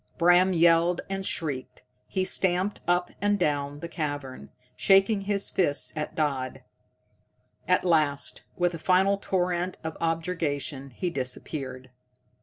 Bram yelled and shrieked, he stamped up and down the cavern, shaking his fists at Dodd. At last, with a final torrent of objurgation, he disappeared.